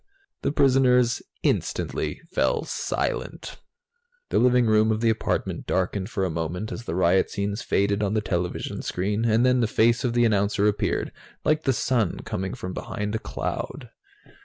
The prisoners instantly fell silent. The living room of the apartment darkened for a moment as the riot scenes faded on the television screen, and then the face of the announcer appeared, like the Sun coming from behind a cloud.